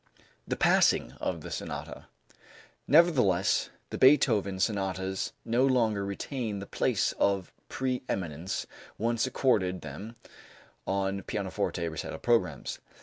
The Passing of the Sonata. Nevertheless, the Beethoven sonatas no longer retain the place of pre eminence once accorded them on pianoforte recital programs.